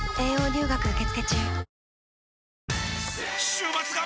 週末が！！